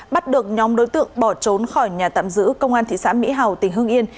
bắt được nhóm đối tượng bỏ trốn khỏi nhà tạm giữ công an thị xã mỹ hào tỉnh hưng yên